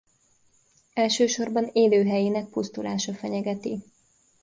Elsősorban élőhelyének pusztulása fenyegeti.